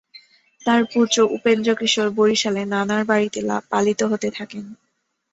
তার পুত্র উপেন্দ্র কিশোর বরিশালে নানার বাড়িতে পালিত হতে থাকেন।